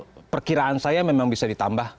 jadi perkiraan saya memang bisa ditambah